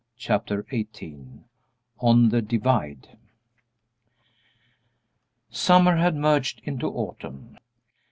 Chapter XVIII ON THE "DIVIDE" Summer had merged into autumn.